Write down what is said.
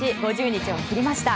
５０日を切りました。